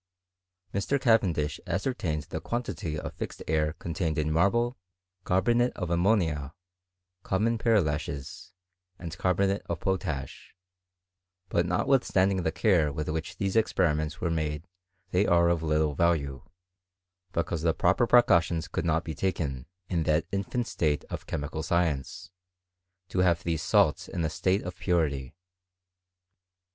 Mr. Cavendish ascertained the quantity of fixed air contained in marble, carbonate of ammonia, com mon pearlashes, and carbonate of potash : but not withstanding the care with which these experiments were made they are of little value ; because the proper precautions could not be taken, in that infant state of chemical science, to have these salts in a state of purity.